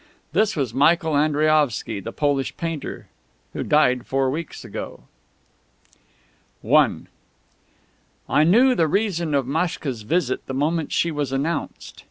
This was Michael Andriaovsky, the Polish painter, who died four weeks ago. I I knew the reason of Maschka's visit the moment she was announced.